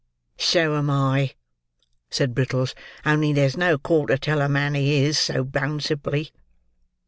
"So am I," said Brittles; "only there's no call to tell a man he is, so bounceably."